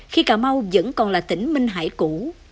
khi cà mau vẫn còn là tỉnh minh hải cũ